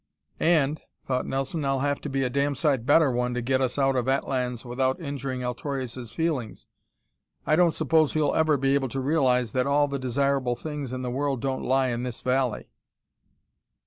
"And," thought Nelson, "I'll have to be a damn sight better one to get us out of Atlans without injuring Altorius' feelings. I don't suppose he'll ever be able to realize that all the desirable things in the world don't lie in this valley."